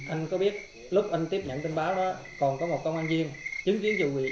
anh có biết lúc anh tiếp nhận tin báo đó còn có một công an viên chứng kiến vụ việc